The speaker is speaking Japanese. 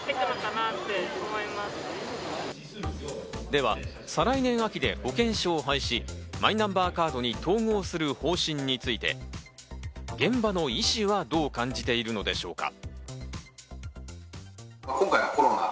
では再来年明で保険証を廃止、マイナンバーカードに統合する方針について現場の医師はどう感じているのでしょうか？